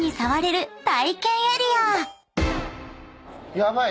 ヤバい。